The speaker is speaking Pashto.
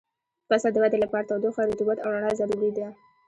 د فصل د ودې لپاره تودوخه، رطوبت او رڼا ضروري دي.